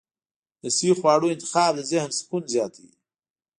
د صحي خواړو انتخاب د ذهن سکون زیاتوي.